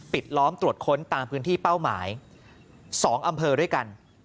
ล้อมตรวจค้นตามพื้นที่เป้าหมาย๒อำเภอด้วยกัน